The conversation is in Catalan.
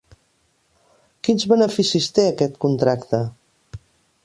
Quins beneficis té aquest contracte?